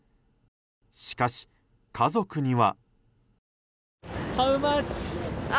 しかし、家族には。